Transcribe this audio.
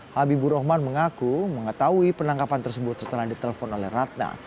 habibur rahman mengaku mengetahui penangkapan tersebut setelah ditelepon oleh ratna